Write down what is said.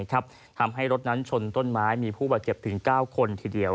ทำให้รถนั้นชนต้นไม้มีผู้บาดเจ็บถึง๙คนทีเดียว